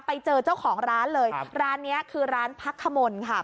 ไปเจอเจ้าของร้านเลยครับร้านนี้คือร้านพักขมลค่ะ